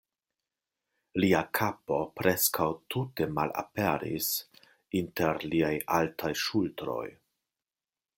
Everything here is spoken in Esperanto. Lia kapo preskaŭ tute malaperis inter liaj altaj ŝultroj.